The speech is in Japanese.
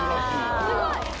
すごい！